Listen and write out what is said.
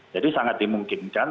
jadi sangat dimungkinkan